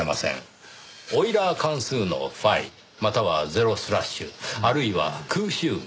オイラー関数のφまたはゼロスラッシュあるいは空集合。